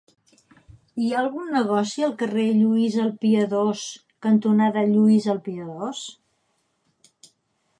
Hi ha algun negoci al carrer Lluís el Piadós cantonada Lluís el Piadós?